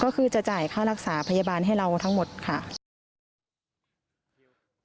ก็คือจะจ่ายค่ารักษาพยาบาลให้เราทั้งหมดค่ะ